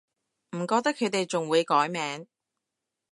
唔覺得佢哋仲會改名